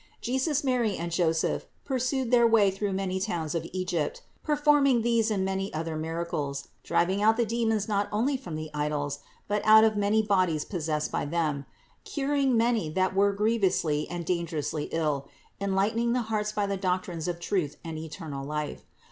Jesus, Mary and Joseph pursued their way through many towns of Egypt, per forming these and many other miracles, driving out the demons not only from the idols, but out of many bodies possessed by them, curing many that were grievously and dangerously ill, enlightening the hearts by the doctrines of truth and eternal life.